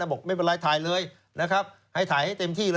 บอกไม่เป็นไรถ่ายเลยนะครับให้ถ่ายให้เต็มที่เลย